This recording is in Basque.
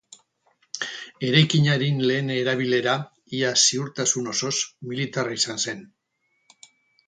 Eraikinaren lehen erabilera, ia ziurtasun osoz, militarra izan zen.